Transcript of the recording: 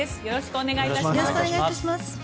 よろしくお願いします。